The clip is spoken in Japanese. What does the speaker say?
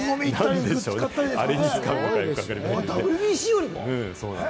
ＷＢＣよりも？